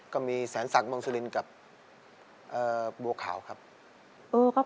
ก็มีแสนศักดิ์มองสุรินฯกับบัวขาวครับ